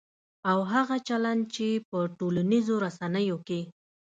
او هغه چلند چې په ټولنیزو رسنیو کې